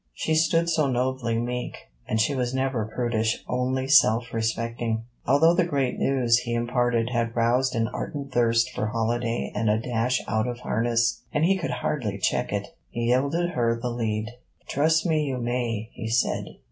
She stood so nobly meek. And she was never prudish, only self respecting. Although the great news he imparted had roused an ardent thirst for holiday and a dash out of harness, and he could hardly check it, he yielded her the lead. 'Trust me you may,' he said.